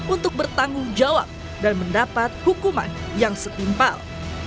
untuk bertanggung jawab dan mendapat hukuman yang setimpal